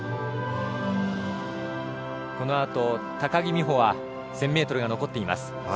このあと高木美帆は１０００ｍが残っています。